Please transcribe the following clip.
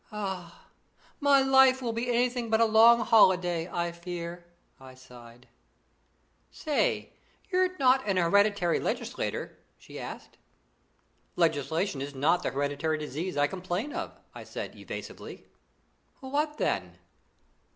"Ah! my life will be anything but a long holiday, I fear," I sighed. "Say, you're not an hereditary legislator?" she asked. "Legislation is not the hereditary disease I complain of," I said evasively. "What then?"